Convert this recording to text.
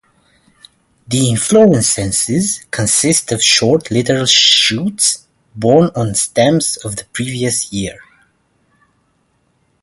The inflorescences consist of short lateral shoots borne on stems of the previous year.